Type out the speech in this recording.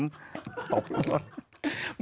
ตบลง